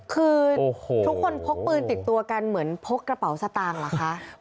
คือทุกคนพกปืนติดตัวกันเหมือนพกกระเป๋าสตางค์เหรอคะ